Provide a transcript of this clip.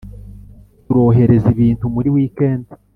turohereza ibintu muri weekend